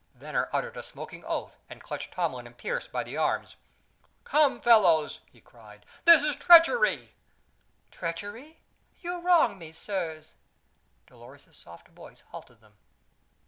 Venner uttered a smoking oath, and clutched Tomlin and Pearse by the arms. "Come fellows!" he cried. "This is treachery!" "Treachery? Ye wrong me, sirs!" Dolores's soft voice halted them.